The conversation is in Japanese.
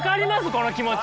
この気持ち。